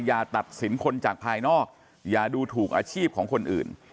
อย่าตัดสินคนจากภายนอกอย่าดูถูกอาชีพของคนอื่น